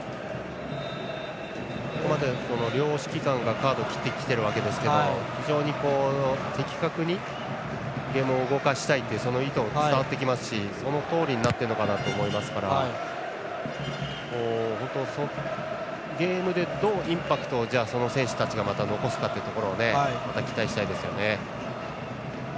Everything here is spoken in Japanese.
ここまで両指揮官がカード切ってきてるわけですが非常に、的確にゲームを動かしたいという意図が伝わってきますしそのとおりになっているのかなと思いますから、ゲームでどうインパクトをその選手たちが残すかというところを期待したいですよね。